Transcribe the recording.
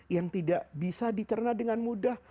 yang tidak bisa dicerna dengan mudah